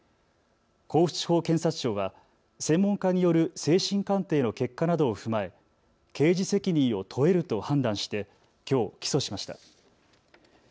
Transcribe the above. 甲府地方検察庁は専門家による精神鑑定の結果などを踏まえ刑事責任を問えると判断してきょう、起訴しました。